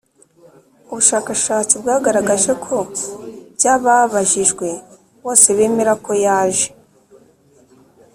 Ubushakashatsi bwagaragaje ko byaa ababajijwe bose bemera ko yaje